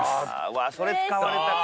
うわっそれ使われたか。